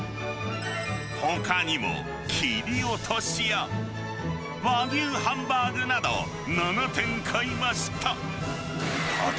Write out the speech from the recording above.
ほかにも、切り落としや、和牛ハンバーグなど、７点買いました。